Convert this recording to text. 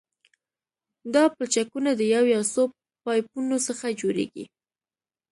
دا پلچکونه د یو یا څو پایپونو څخه جوړیږي